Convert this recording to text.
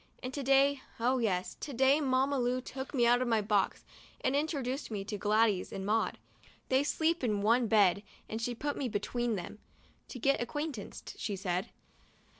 And to day — oh, yes, to day — Mamma Lu took me out of my box and introduced me to Gladys and Maud. They sleep in one bed and she put me between them, 'to get acquainted,'* she said